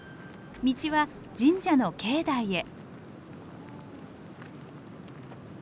道は神社の境内へ。